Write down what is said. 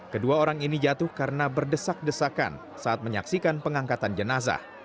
kedua orang ini jatuh karena berdesak desakan saat menyaksikan pengangkatan jenazah